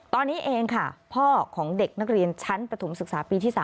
ตอนนี้เองค่ะพ่อของเด็กนักเรียนชั้นปฐมศึกษาปีที่๓